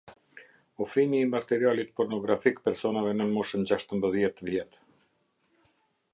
Ofrimi i materialit pornografik personave nën moshën gjashtëmbëdhjetë vjet.